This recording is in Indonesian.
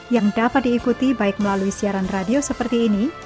yang dapat diikuti baik melalui siaran radio seperti ini